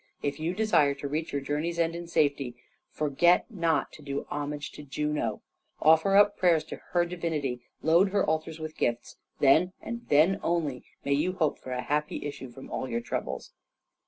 If you desire to reach your journey's end in safety, forget not to do homage to Juno. Offer up prayers to her divinity, load her altars with gifts. Then, and then only, may you hope for a happy issue from all your troubles!"